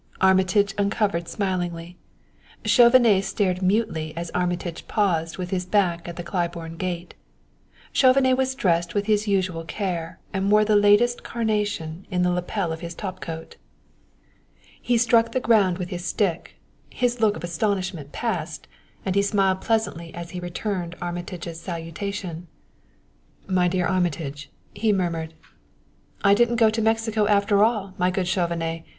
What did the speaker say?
Armitage uncovered smilingly. Chauvenet stared mutely as Armitage paused with his back to the Claiborne gate. Chauvenet was dressed with his usual care, and wore the latest carnation in the lapel of his top coat. He struck the ground with his stick, his look of astonishment passed, and he smiled pleasantly as he returned Armitage's salutation. "My dear Armitage!" he murmured. "I didn't go to Mexico after all, my good Chauvenet.